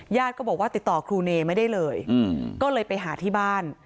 ก็บอกว่าติดต่อครูเนไม่ได้เลยก็เลยไปหาที่บ้าน